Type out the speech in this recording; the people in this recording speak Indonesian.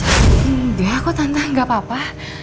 enggak kok tante gak apa apa